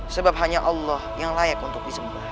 sebab hanya allah yang layak untuk disembuh